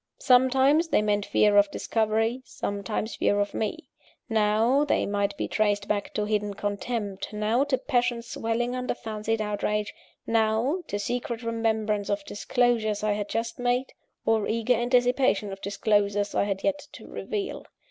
Sometimes, they meant fear of discovery, sometimes fear of me: now, they might be traced back to hidden contempt; now, to passions swelling under fancied outrage; now, to secret remembrance of disclosures I had just made, or eager anticipation of disclosures I had yet to reveal.